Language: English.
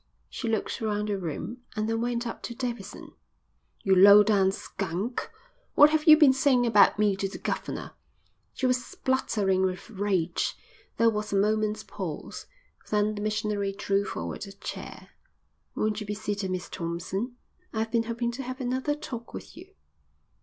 She looked round the room and then went up to Davidson. "You low down skunk, what have you been saying about me to the governor?" She was spluttering with rage. There was a moment's pause. Then the missionary drew forward a chair. "Won't you be seated, Miss Thompson? I've been hoping to have another talk with you."